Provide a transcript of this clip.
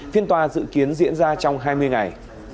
phiên tòa dự kiến diễn ra trong hai mươi ngày